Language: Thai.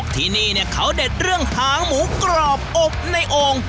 ที่นี่เขาเด็ดเรื่องหางหมูกรอบอบในโอ่ง